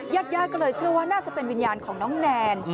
ญาติญาติก็เลยเชื่อว่าน่าจะเป็นวิญญาณของน้องแนน